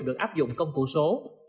được áp dụng công cụ số